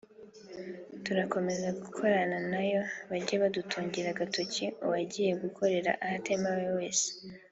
turakomeza dukorane na yo bajye badutungira agatoki uwagiye gukorera ahatemewe wese